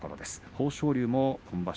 豊昇龍も今場所